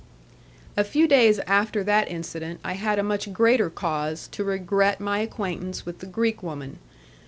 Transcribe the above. A few days after that incident I had a much greater cause to regret my acquaintance with the Greek woman.